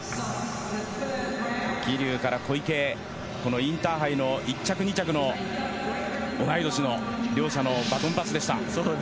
桐生から小池へこのインターハイの１着２着の同い年の両者のバトンパスでした。